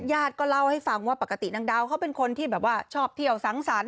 ญาติก็เล่าให้ฟังว่าปกตินางดาวเขาเป็นคนที่แบบว่าชอบเที่ยวสังสรรค